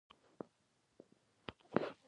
د دې ژورنال علمي اعتبار ډیر لوړ دی.